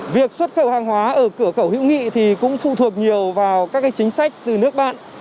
việc xuất khẩu hàng hóa ở cửa khẩu hữu nghị thì cũng phụ thuộc nhiều vào các chính sách từ nước bạn